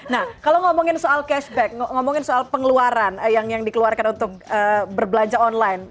nah kalau ngomongin soal cashback ngomongin soal pengeluaran yang dikeluarkan untuk berbelanja online